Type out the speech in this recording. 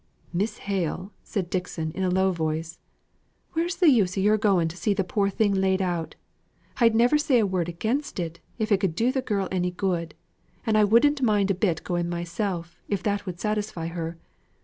"Miss Hale," said Dixon, in a low voice, "where's the use o' your going to see the poor thing laid out? I'd never say a word against it, if it could do the girl any good; and I wouldn't mind a bit going myself, if that would satisfy her.